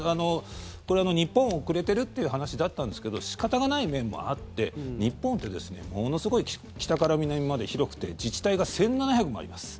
これ、日本遅れてるって話だったんですけど仕方がない面もあって日本って、ものすごい北から南まで広くて自治体が１７００もあります。